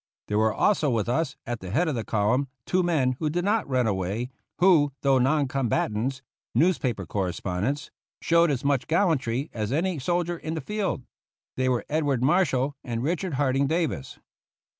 There were also with us, at the head of the column, two men who did not run away, who, though non combatants newspaper correspondents showed as much gallantry as any soldier in the field. They were Edward Marshall and Richard Harding Davis.